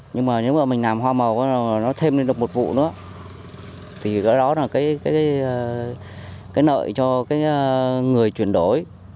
nhưng mà nếu mà mình làm hoa màu nó thêm lên được một vụ nữa thì cái đó là cái nợ cho cái người chuyển đổi